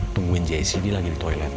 tungguin jessy dia lagi di toilet